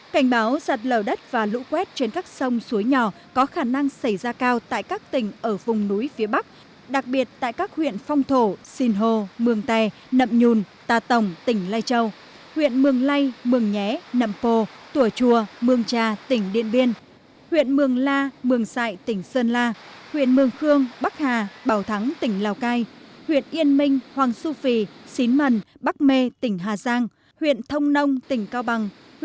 cảnh báo sạt lầu đất và lũ quét trên các sông suối nhỏ có khả năng xảy ra cao tại các tỉnh ở vùng núi phía bắc đặc biệt tại các huyện phong thổ sinh hồ mường tè nậm nhun tà tồng tỉnh lai châu huyện mường lây mường nhé nậm pô tùa chùa mường trà tỉnh điện biên huyện mường la mường sại tỉnh sơn la huyện mường khương bắc hà bảo thắng tỉnh lào cai huyện yên minh hoàng su phi xín mần bắc mê tỉnh hà giang huyện thông nông tỉnh cao bằng